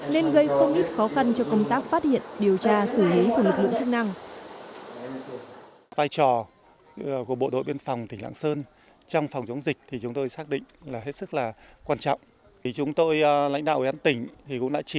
nên gây không ít khó khăn cho công tác phát hiện điều tra xử lý của lực lượng chức năng